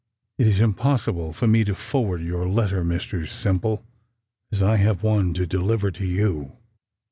"It is impossible for me to forward your letter, Mr Simple, as I have one to deliver to you."